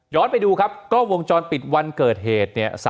ไปดูครับกล้องวงจรปิดวันเกิดเหตุเนี่ย